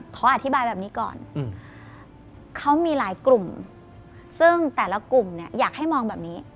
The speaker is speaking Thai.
ขออธิบายแบบนี้ก่อนเขามีหลายกลุ่มซึ่งแต่ละกลุ่มเนี่ยอยากให้มองแบบนี้